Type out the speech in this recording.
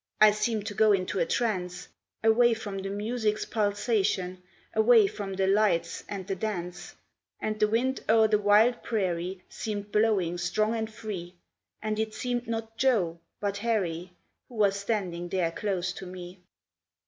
I seemed to go into a trance, Away from the music's pulsation, Away from the lights and the dance. And the wind o'er the wild prairie Seemed blowing strong and free, And it seemed not Joe, but Harry Who was standing there close to me.